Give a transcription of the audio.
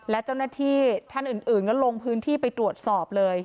และเจ้าหน้าที่ท่านอื่นก็ลงพื้นที่ไปตรวจสอบเลย